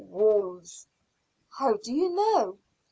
"Wolves." "How do you know?"